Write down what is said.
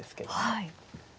はい。